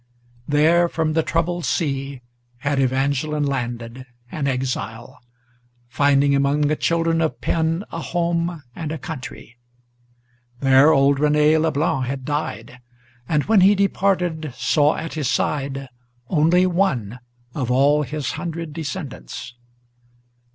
There from the troubled sea had Evangeline landed, an exile, Finding among the children of Penn a home and a country. There old René Leblanc had died; and when he departed, Saw at his side only one of all his hundred descendants.